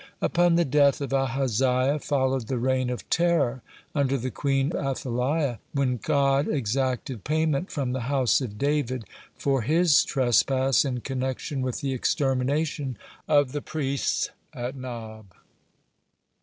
(6) Upon the death of Ahaziah followed the reign of terror under the queen Athaliah, when God exacted payment from the house of David for his trespass in connection with the extermination of the priest at Nob.